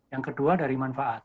yang kedua dari manfaat